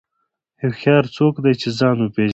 هوښیار څوک دی چې ځان وپېژني.